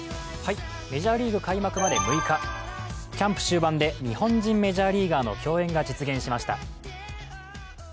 メジャーリーグ開幕まで６日、キャンプ終盤で日本人メジャーリーガーの競演が実現しました。